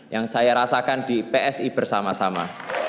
yang saya rasakan di psi bersama sama